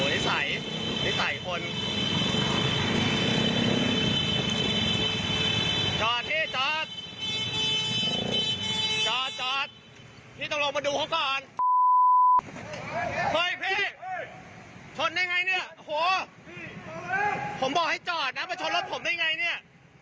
เฮ้ยพี่ชนได้ไงเนี่ยโอ้โหผมบอกให้จอดนะมาชนรถผมได้ไงเนี่ย